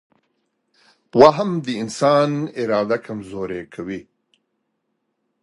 وهم د انسان اراده کمزورې کوي.